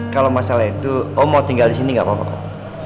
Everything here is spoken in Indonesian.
kalau masalah itu om mau tinggal disini gak apa apa kok